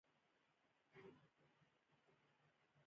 د موبایل بانکوالي د امنیتي ګواښونو کچه راټیټوي.